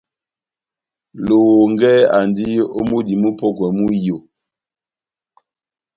Lohongɛ andi ó múdi mupɔ́kwɛ mú iyó.